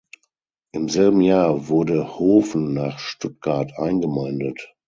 Im selben Jahr wurde Hofen nach Stuttgart eingemeindet.